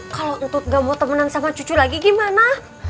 kalau untuk gak mau temenan sama cucu lagi gimana